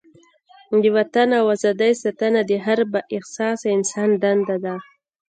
د وطن او ازادۍ ساتنه د هر با احساسه انسان دنده ده.